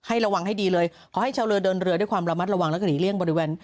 ระวังให้ดีเลยขอให้ชาวเรือเดินเรือด้วยความระมัดระวังแล้วก็หนีเลี่ยงบริเวณ